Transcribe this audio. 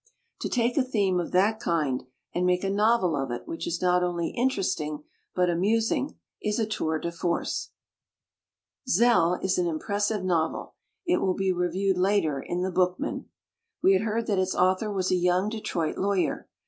To take a theme of that kind and make a novel of it which is not only interesting but amusing, is a tour de force. <ii Jesse Lynch Williams writes the f ol 'Zell" is an impressive novel. It will be reviewed later in The Book man. We had heard that its author was a young Detroit lawyer.